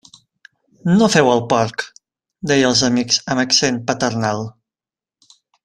No feu el porc! –deia als amics amb accent paternal.